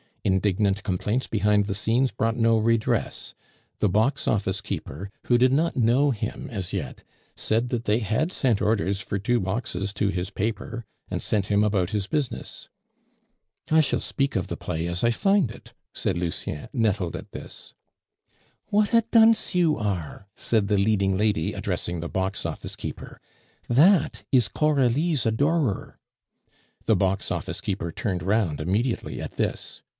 Indignant complaints behind the scenes brought no redress; the box office keeper, who did not know him as yet, said that they had sent orders for two boxes to his paper, and sent him about his business. "I shall speak of the play as I find it," said Lucien, nettled at this. "What a dunce you are!" said the leading lady, addressing the box office keeper, "that is Coralie's adorer." The box office keeper turned round immediately at this.